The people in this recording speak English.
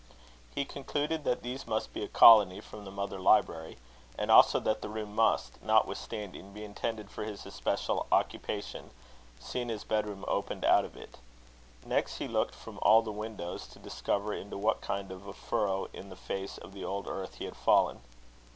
He concluded that these must be a colony from the mother library; and also that the room must, notwithstanding, be intended for his especial occupation, seeing his bedroom opened out of it. Next, he looked from all the windows, to discover into what kind of a furrow on the face of the old earth he had fallen.